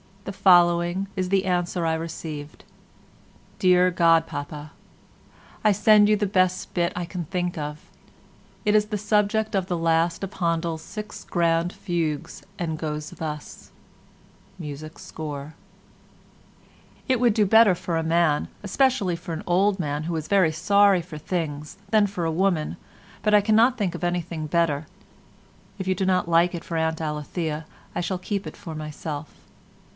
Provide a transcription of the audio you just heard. The following is the answer I received— "Dear Godpapa,—I send you the best bit I can think of; it is the subject of the last of Handel's six grand fugues and goes thus:— It would do better for a man, especially for an old man who was very sorry for things, than for a woman, but I cannot think of anything better; if you do not like it for Aunt Alethea I shall keep it for myself.